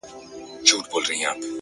اوس مي حافظه ډيره قوي گلي;